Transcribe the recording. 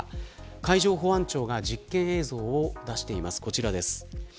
海上保安庁が実験映像を出しています、こちらです。